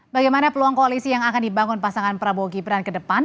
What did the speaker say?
bagaimana peluang koalisi yang akan dibangun pasangan prabowo gibran ke depan